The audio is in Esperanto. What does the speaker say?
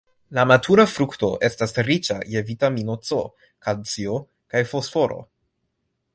La matura frukto estas riĉa je vitamino C, kalcio kaj fosforo.